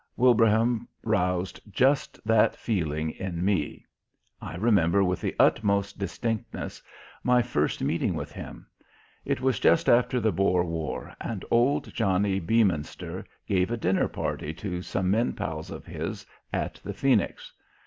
Wilbraham roused just that feeling in me. I remember with the utmost distinctness my first meeting with him. It was just after the Boer war and old Johnny Beaminster gave a dinner party to some men pals of his at the Phoenix.